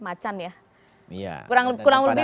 macan ya kurang lebih